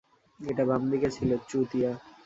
এটা বামদিকে ছিল, চুতিয়া!